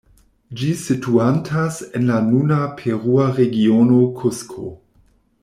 Ĝi situantas en la nuna perua regiono Kusko.